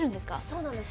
そうなんです。